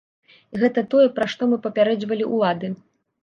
І гэта тое, пра што мы папярэджвалі ўлады.